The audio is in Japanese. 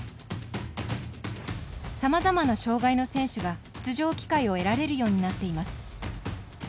さまざまな障がいの選手が出場機会を得られるようになっています。